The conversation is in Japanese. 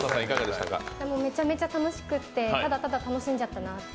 めちゃめちゃ楽しくってただただ楽しんじゃったなって。